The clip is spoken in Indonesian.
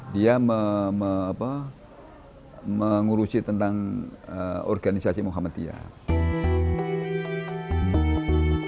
dia mengurusi tentang organisasi muhammadiyah